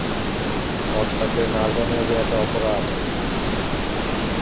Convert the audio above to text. কর্তাকে না জানিয়ে দেওয়াটা অপরাধ।